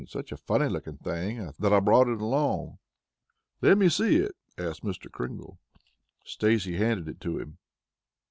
Such a funny looking thing, that I brought it along." "Let me see it," asked Mr. Kringle. Stacy handed it to him.